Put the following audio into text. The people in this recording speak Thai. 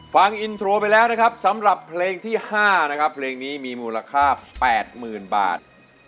ฟังอินโทรไปแล้วนะครับสำหรับเพลงที่๕นะครับเพลงนี้มีมูลค่า๘๐๐๐บาท